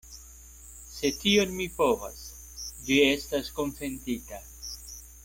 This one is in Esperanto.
Se tion mi povas, ĝi estas konsentita.